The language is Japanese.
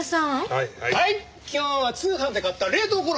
はい今日は通販で買った冷凍コロッケです！